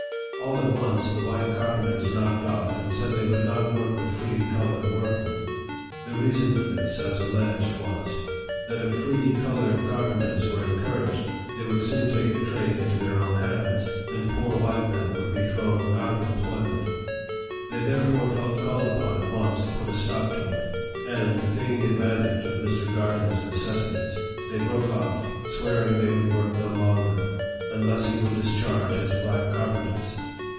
All at once, the white carpenters knocked off, and said they would not work with free colored workmen. Their reason for this, as alleged, was, that if free colored carpenters were encouraged, they would soon take the trade into their own hands, and poor white men would be thrown out of employ ment. They therefore felt called upon at once to put a stop to it. And, taking advantage of Mr. Gardner's necessities, they broke off, swearing they Would work no longer, unless he would discharge his black carpen ters.